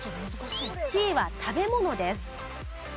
Ｃは食べ物です。